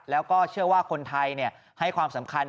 แล้วก็เชื่อว่าคนไทยเนี่ย